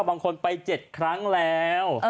บางคนไป๗ครั้งแล้ว